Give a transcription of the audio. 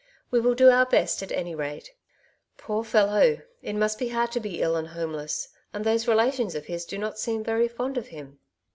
We will do our best, at any rate. Poor fellow ! it must be hard to be ill and homeless ; and those relations of his do not seem very fond of him."